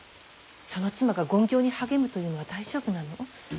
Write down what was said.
その妻が勤行に励むというのは大丈夫なの。